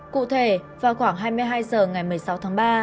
cụ thể vào khoảng hai mươi hai h ngày một mươi sáu tháng ba